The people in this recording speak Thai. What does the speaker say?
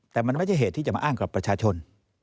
แต่มันไม่ใช่เหตุที่จะมาอ้างกับประชาชน